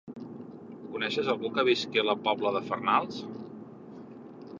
Coneixes algú que visqui a la Pobla de Farnals?